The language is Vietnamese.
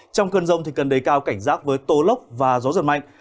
trong cơn rông thì cần đề cao cảnh giác với tô lốc và gió giật mạnh